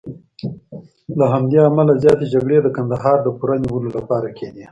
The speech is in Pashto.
له همدې امله زیاتې جګړې د کندهار د پوره نیولو لپاره کېدې.